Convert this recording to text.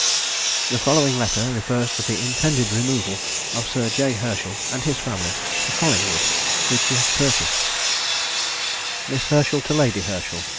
The following letter refers to the intended removal of Sir J. Herschel and his family to Collingwood, which he had purchased:— MISS HERSCHEL TO LADY HERSCHEL.